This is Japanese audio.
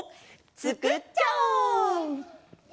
つくっちゃおう！